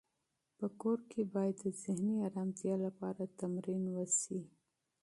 په کور کې باید د ذهني ارامتیا لپاره تمرین وشي.